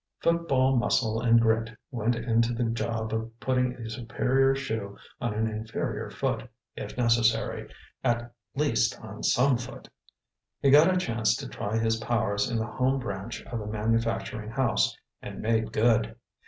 Foot ball muscle and grit went into the job of putting a superior shoe on an inferior foot, if necessary at least on some foot. He got a chance to try his powers in the home branch of a manufacturing house, and made good.